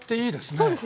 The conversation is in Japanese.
そうですね。